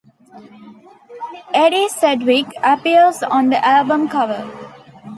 Edie Sedgwick appears on the album cover.